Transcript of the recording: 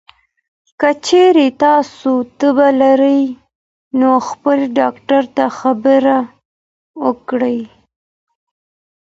که چېرې تاسو تبه لرئ، نو خپل ډاکټر ته خبر ورکړئ.